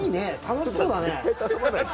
楽しそうだね。